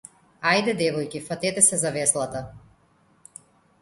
Ајде девојки фатете се за веслата.